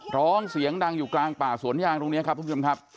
ร้องเสียงดังอยู่กลางป่าสวนยางตรงนี้ครับทุกผู้ชมครับ